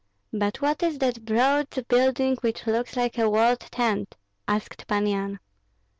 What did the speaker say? "But what is that broad building which looks like a walled tent?" asked Pan Yan.